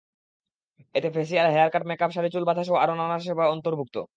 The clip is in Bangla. এতে facial, hair cut, makeup, sari, চুল বাঁধাসহ আরও নানা সেবা অন্তর্ভুক্ত।